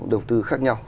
đầu tư khác nhau